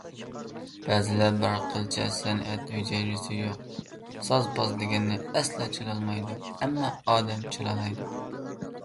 بەزىلەر بار، قىلچە سەنئەت ھۈجەيرىسى يوق، ساز-پاز دېگەننى ئەسلا چالالمايدۇ، ئەمما ئادەم چالالايدۇ.